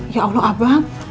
ya allah abang